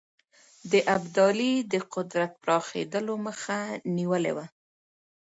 د ابدالي د قدرت پراخېدلو مخه نیولې وه.